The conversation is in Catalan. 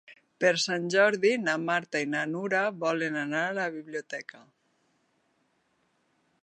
Per Sant Jordi na Marta i na Nura volen anar a la biblioteca.